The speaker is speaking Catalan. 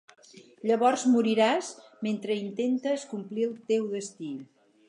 Llavors moriràs mentre intentes complir el teu destí.